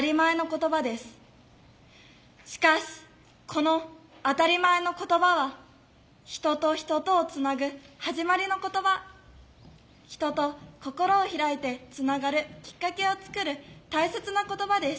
しかしこの「当たり前」の言葉は人と人とをつなぐ始まりの言葉人と心を開いてつながるきっかけを作る大切な言葉です。